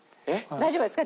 大丈夫ですか？